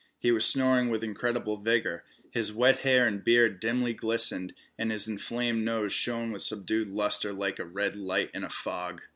He was snoring with incredible vigor. His wet hair and beard dimly glistened, and his inflamed nose shone with subdued lustre like a red light in a fog.